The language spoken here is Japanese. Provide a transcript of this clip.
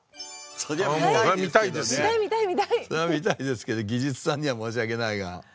そりゃ見たいですけど技術さんには申し訳ないが。